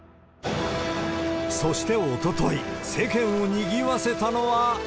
そしておととい、世間をにぎわせたのは。